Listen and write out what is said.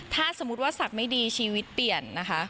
ถ้าสมมุติว่าศักดิ์ไม่ดีชีวิตเปลี่ยนนะคะ